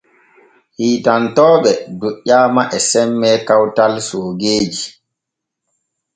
Hiitantooɓe doƴƴaama e semme kawtal soogeeji.